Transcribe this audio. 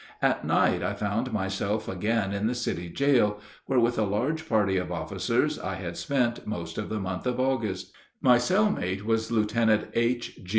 At night I found myself again in the city jail, where with a large party of officers I had spent most of the month of August. My cell mate was Lieutenant H.